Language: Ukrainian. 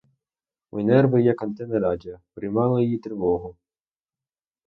Мої нерви, як антени радіо, приймали її тривогу.